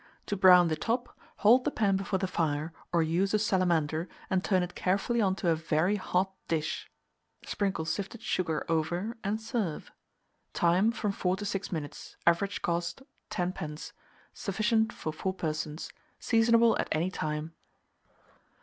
To brown the top, hold the pan before the fire, or use a salamander, and turn it carefully on to a very hot dish: sprinkle sifted sugar over, and serve. Time. From 4 to 6 minutes. Average cost, 10d. Sufficient for 4 persons. Seasonable at any time.